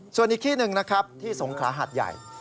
ส่วนอีกที่หนึ่งนะครับที่สงขลาหัดใหญ่